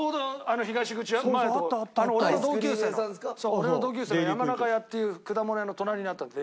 俺の同級生のヤマナカヤっていう果物屋の隣にあったの。